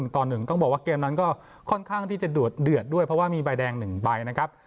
ต่อ๑ต้องบอกว่าเกมนั้นก็ค่อนข้างที่จะเดือดด้วยเพราะว่ามีใบแดง๑ใบนะครับ